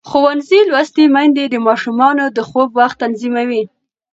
ښوونځې لوستې میندې د ماشومانو د خوب وخت تنظیموي.